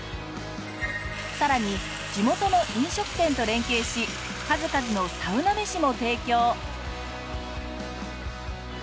さらに地元の飲食店と連携し数々のサウナ飯も提供。